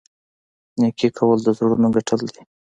نیکي کول د زړونو ګټل دي.